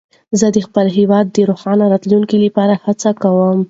زه د خپل هېواد د روښانه راتلونکي لپاره هڅه کوم.